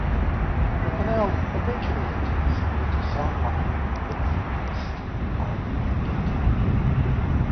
The canal eventually empties into San Joaquin River near the city of Mendota.